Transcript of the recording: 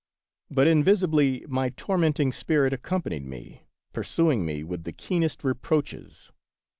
But invisibly my tormenting spirit accompa nied me, pursuing me with keenest reproaches.